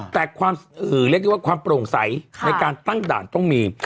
แต่ความเรียกได้ว่าความโปร่งใสในการตั้งด่านต้องมี